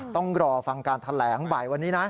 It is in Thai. ต้องรอฟังการแถลงบ่ายวันนี้นะ